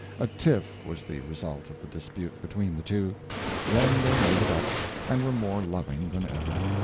A tiff was the result of the dispute between the two. Then they made it up, and were more loving than ever.